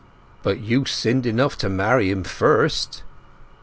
"But you sinned enough to marry him first!"